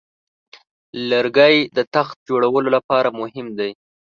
لرګی د تخت جوړولو لپاره مهم دی.